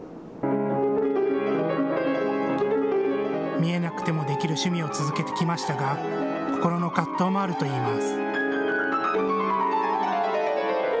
見えなくてもできる趣味を続けてきましたが心の葛藤もあるといいます。